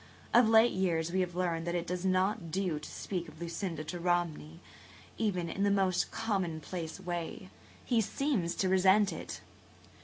Of late years we have learned that it does not do to speak of Lucinda to Romney, even in the most commonplace way. He seems to resent it."